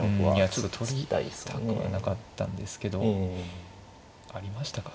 ちょっと取りたくはなかったんですけどありましたか？